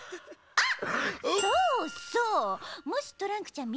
あっ。